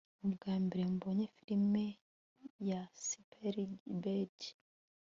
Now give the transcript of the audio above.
ni ubwambere mbonye firime ya spielberg